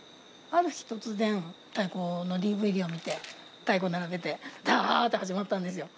ある日突然、太鼓のＤＶＤを見て、太鼓並べて、だーっと始まったんですよ。